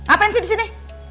apaan sih di sini